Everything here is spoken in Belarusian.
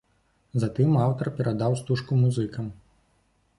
Затым аўтар перадаў стужку музыкам.